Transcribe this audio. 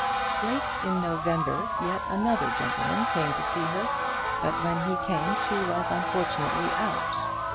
Late in November yet another gentleman came to see her, but when he came she was unfortunately out.